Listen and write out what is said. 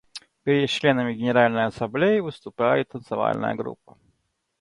Перед членами Генеральной Ассамблеи выступает танцевальная группа.